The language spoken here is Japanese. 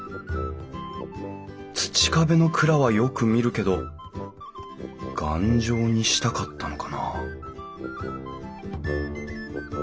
土壁の蔵はよく見るけど頑丈にしたかったのかな？